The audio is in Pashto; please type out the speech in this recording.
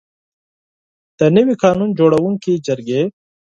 د نوي قانون جوړوونکي جرګې.